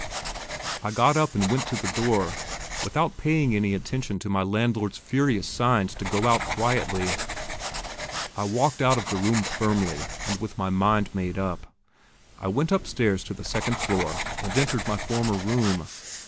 I got up and went to the door, without paying any attention to my landlord's furious signs to go out quietly; I walked out of the room firmly, and with my mind made up. I went upstairs to the second floor, and entered my former room.